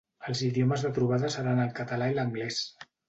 Els idiomes de la trobada seran el català i l'anglès.